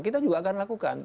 kita juga akan lakukan